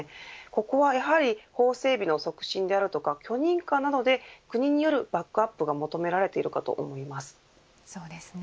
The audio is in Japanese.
ここはやはり法整備の促進であるとか許認可などで国によるバックアップが求められていると思います。